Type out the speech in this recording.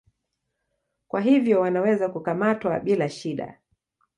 Kwa hivyo wanaweza kukamatwa bila shida.